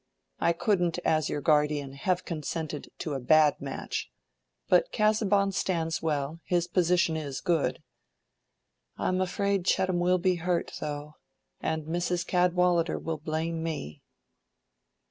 I couldn't, as your guardian, have consented to a bad match. But Casaubon stands well: his position is good. I am afraid Chettam will be hurt, though, and Mrs. Cadwallader will blame me."